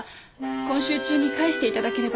今週中に返していただければいいですから。